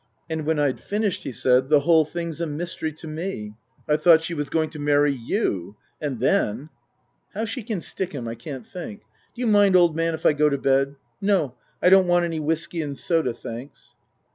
182 Tasker Jevons And when I'd finished he said, " The whole thing's a mystery to me. I thought she was going to marry you." And then " How she can stick him I can't think. D'you mind, old man, if I go to bed ? No, I don't want any whisky and soda, thanks."